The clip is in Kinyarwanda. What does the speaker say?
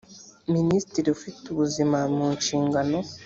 minisitiri ufite ubuzima mu nshingano